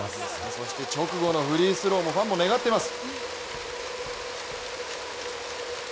そして直後のフリースローもファンが願ってます。